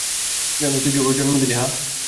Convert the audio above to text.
তুই কিভাবে জন্ম দিলি, হাহ?